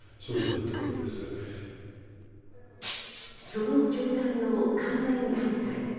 その教団の関連団体